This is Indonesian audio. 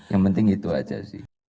yang penting itu aja sih